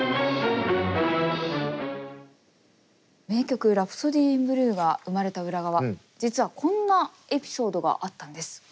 名曲「ラプソディー・イン・ブルー」が生まれた裏側実はこんなエピソードがあったんです。